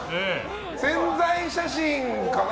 宣材写真かな。